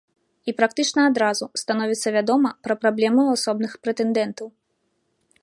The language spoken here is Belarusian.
І практычна адразу становіцца вядома пра праблемы ў асобных прэтэндэнтаў.